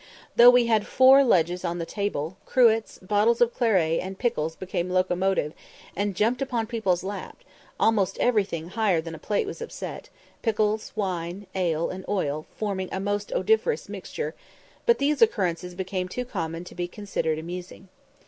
Though we had four ledges on the tables, cruets, bottles of claret, and pickles became locomotive, and jumped upon people's laps; almost everything higher than a plate was upset pickles, wine, ale, and oil forming a most odoriferous mixture; but these occurrences became too common to be considered amusing.